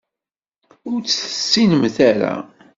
Ur tt-tessinemt ara.